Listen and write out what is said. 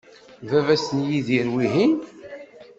D baba-s n Yidir, wihin?